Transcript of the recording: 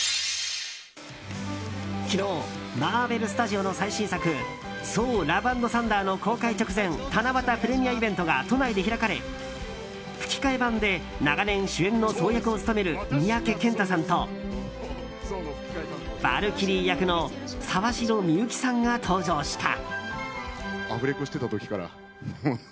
昨日マーベル・スタジオの最新作「ソー：ラブ＆サンダー」の公開直前七夕プレミアイベントが都内で開かれ、吹き替え版で長年主役のソー役を務める三宅健太さんとヴァルキリー役の沢城みゆきさんが登場した。